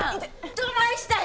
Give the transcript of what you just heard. どないしたんや！？